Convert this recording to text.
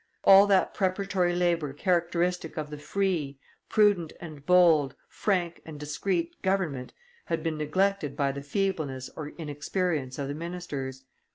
All that preparatory labor characteristic of the free, prudent and bold, frank and discreet government, had been neglected by the feebleness or inexperience of the ministers.